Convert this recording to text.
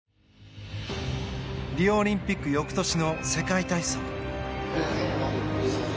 リオオリンピック翌年の世界体操。